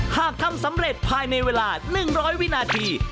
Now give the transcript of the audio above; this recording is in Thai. หากทำสำเร็จภายในเวลา๑๐๐วินาที